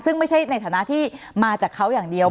ซึ่งไม่ใช่ในฐานะที่มาจากเขาอย่างเดียว